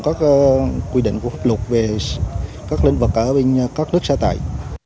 các quy định của pháp luật về các lĩnh vực ở bên các nước xã tại